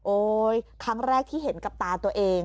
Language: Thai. ครั้งแรกที่เห็นกับตาตัวเอง